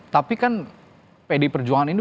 tapi kan pdi perjuangan ini